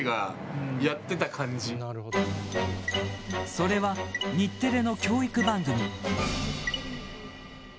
それは、日テレの教育番組。